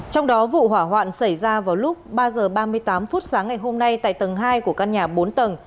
trong đó vụ hỏa hoạn xảy ra vào lúc ba h ba mươi tám phút sáng ngày hôm nay tại tầng hai của căn nhà bốn tầng